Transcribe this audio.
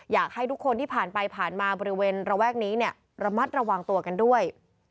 อยากให้ทุกคนที่ผ่านไปผ่านมาบริเวณระแวกนี้เนี่ยระมัดระวังตัวกันด้วย